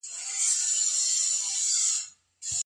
په هرات کي د صنعت لپاره قوانين څنګه عملي کېږي؟